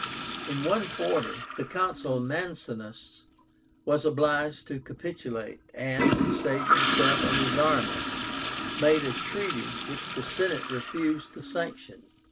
In 140, the Consul Mancínus was obliged to capitulate, and, to save himself and his army, made a treaty which the Senate refused to sanction.